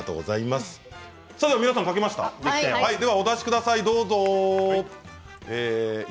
皆さん、お出しください。